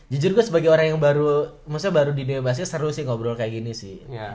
jujur gue sebagai orang yang baru maksudnya baru di new york basket seru sih ngobrol kayak gini sih